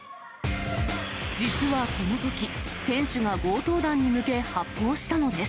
実はこのとき、店主が強盗団に向け発砲したのです。